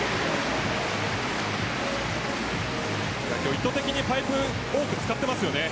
意図的にパイプを多く使っています。